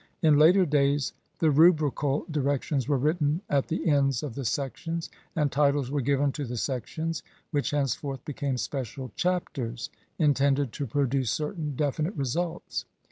In later days the rubrical directions were written at the ends of the sections, and titles were given to the sections, which henceforth became special Chapters, intended to produce certain definite results.